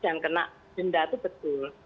dan kena denda itu betul